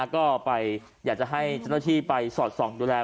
ก็อยากจะให้เจ้าหน้าที่ไปสอดส่องดูแล